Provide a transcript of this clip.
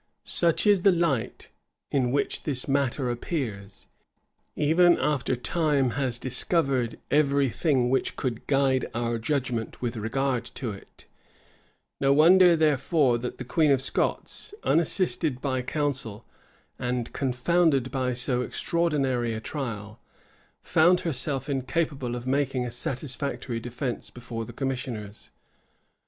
Such is the light in which this matter appears, even after time has discovered every thing which could guide our judgment with regard to it: no wonder, therefore, that the queen of Scots, unassisted by counsel, and confounded by so extraordinary a trial, found herself incapable of making a satisfactory defence before the commissioners.